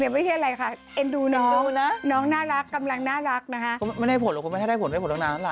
เวลาหมดแล้ว